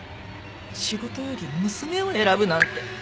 仕事より娘を選ぶなんて。